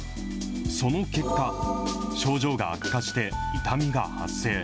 その結果、症状が悪化して、痛みが発生。